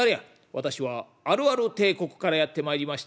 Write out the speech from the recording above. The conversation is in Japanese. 「私はあるある帝国からやって参りました